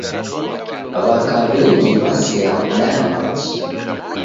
W'aka w'engi w'asea kudaya machi.